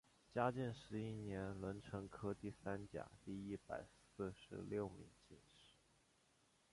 嘉靖十一年壬辰科第三甲第一百四十六名进士。